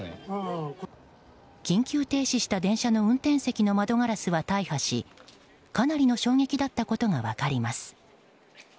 緊急停止した電車の運転席の窓ガラスは大破しかなりの衝撃だったことが分かります。